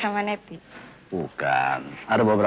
apakah tujuannya bahwa